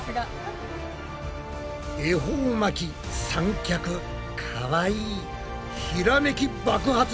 恵方巻き三脚かわいいひらめき爆発！